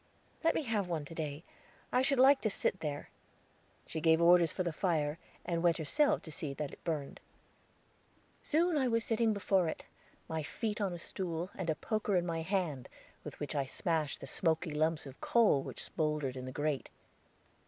"Let me have one to day; I should like to sit there." She gave orders for the fire, and went herself to see that it burned. Soon I was sitting before it, my feet on a stool, and a poker in my hand with which I smashed the smoky lumps of coal which smoldered in the grate.